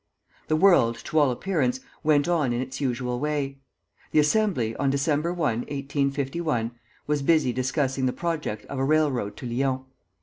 The world, to all appearance, went on in its usual way. The Assembly, on December 1, 1851, was busy discussing the project of a railroad to Lyons.